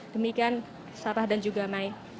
demikian sarah dan juga mai